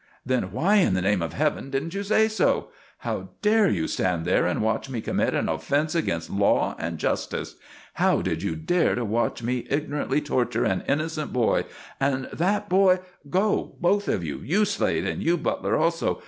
"Then why in the name of Heaven didn't you say so? How dare you stand there and watch me commit an offence against law and justice? How did you dare to watch me ignorantly torture an innocent boy, and that boy Go! go both of you you, Slade, and you, Butler, also.